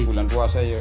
bulan puasa ya